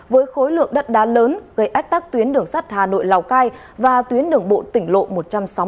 với khối lượng đất đá lớn gây ách tắc tuyến đường sắt hà nội lào cai và tuyến đường bộ tỉnh lộ một trăm sáu mươi